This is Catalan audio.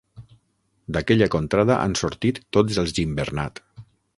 D'aquella contrada han sortit tots els Gimbernat.